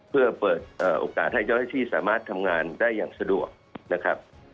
เพื่อเปิดโอกาสให้เจ้าหน้าที่สามารถทำงานได้อย่างสะดวกนะครับ